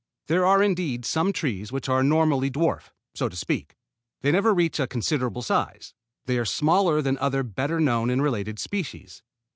There are indeed some trees which are normally dwarf, so to speak. They never reach a considerable size. They are smaller than other better known and related species.